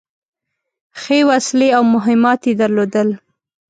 ښې وسلې او مهمات يې درلودل.